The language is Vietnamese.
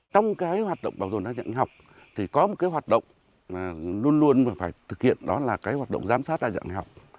trong cái hoạt động bảo tồn đa dạng học thì có một cái hoạt động luôn luôn phải thực hiện đó là cái hoạt động giám sát đa dạng đại học